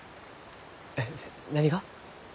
えっ何が？